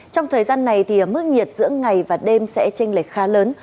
trong thời gian này mức nhiệt giữa ngày và đêm sẽ tranh lệch khá lớn